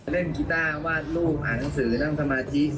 กีต้าวาดรูปอ่านหนังสือนั่งสมาธิ